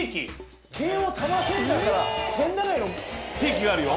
京王多摩センターから千駄ヶ谷の定期があるよ。